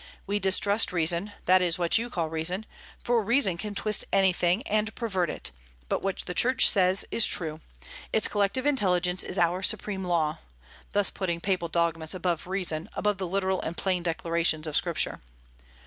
We distrust reason, that is, what you call reason, for reason can twist anything, and pervert it; but what the Church says, is true, its collective intelligence is our supreme law [thus putting papal dogmas above reason, above the literal and plain declarations of Scripture].